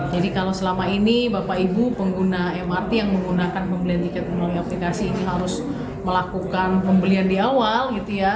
jadi kalau selama ini bapak ibu pengguna mrt yang menggunakan pembelian tiket menggunakan aplikasi ini harus melakukan pembelian di awal gitu ya